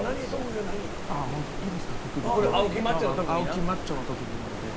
青木マッチョの特技なので。